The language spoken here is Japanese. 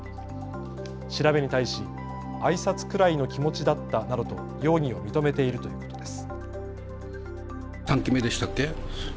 調べに対しあいさつくらいの気持ちだったなどと容疑を認めているということです。